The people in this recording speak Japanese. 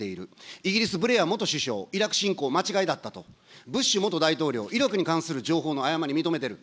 イギリス、ブレア元首相、イラク侵攻、間違いだったと、ブッシュ元大統領、イラクに関する情報の誤り認めてる。